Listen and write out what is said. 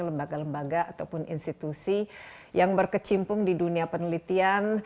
lembaga lembaga ataupun institusi yang berkecimpung di dunia penelitian